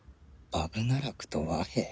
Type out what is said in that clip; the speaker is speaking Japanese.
バグナラクと和平？